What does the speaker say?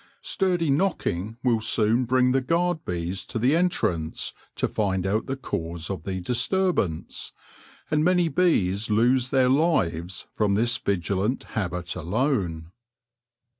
Sturdy knocking will soon bimg the guard bees to the entrance to find out the cause of the disturbance, and many bees lose their lives from this vigilant habit alone.